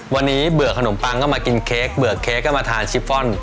วันนี้เบื่อขนมปังก็มากินเค้กเบื่อเค้กก็มาทานชิปฟอนด